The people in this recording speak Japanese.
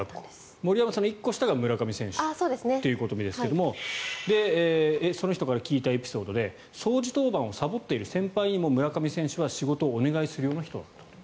森山さんの１個下が村上選手ということですがその人から聞いたエピソードで掃除当番をさぼっている先輩にも村上選手は仕事をお願いするような人だったと。